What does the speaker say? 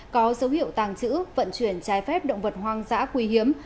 có dấu hiệu tàng trữ vận chuyển trái phép động vật hoang dã quý hiếm